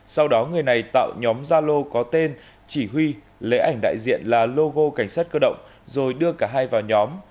sau đó người này tạo nhóm gia lô có tên chỉ huy lễ ảnh đại diện là logo cảnh sát cơ động rồi đưa cả hai vào nhóm